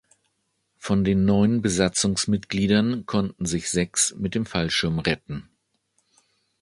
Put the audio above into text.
Von den neun Besatzungsmitgliedern konnten sich sechs mit dem Fallschirm retten.